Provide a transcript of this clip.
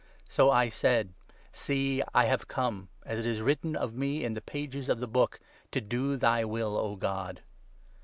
So I said, "See, I have come" (as is written of me in the pages 7 of the Book), " To do thy will, O God."'